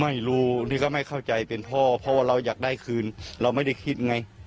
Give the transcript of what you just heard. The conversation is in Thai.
ไม่รู้นี่ก็ไม่เข้าใจเป็นพ่อเพราะว่าเราอยากได้คืนเราไม่ได้คิดไง